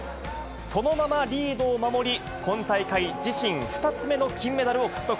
そのままリードを守り、今大会、自身２つ目の金メダルを獲得。